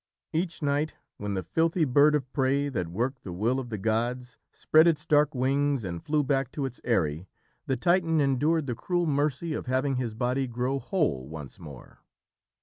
Each night, when the filthy bird of prey that worked the will of the gods spread its dark wings and flew back to its eyrie, the Titan endured the cruel mercy of having his body grow whole once more.